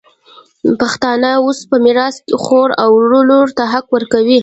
پښتانه اوس په میراث کي خور او لور ته حق ورکوي.